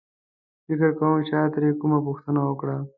فکر کوم چا ترې کومه پوښتنه وکړه.